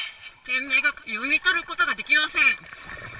店名など読み取ることができません。